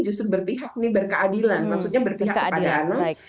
justru berpihak nih berkeadilan maksudnya berpihak kepada anak